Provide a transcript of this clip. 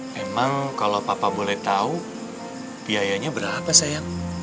memang kalau papa boleh tahu biayanya berapa sayang